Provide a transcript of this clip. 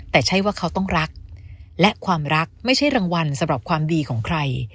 แต่ใช่ว่าเขาต้องรักและความรักไม่ใช่รางวัลสำหรับความดีของใคร